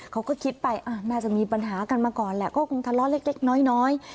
เขาก็คิดไปน่าจะมีปัญหากันมาก่อนแหละก็คงทะเลาะเล็กน้อย